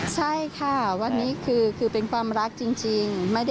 ใช่ค่ะวันนี้คือเป็นความรักจริง